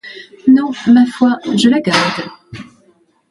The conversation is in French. Non, ma foi, je la garde.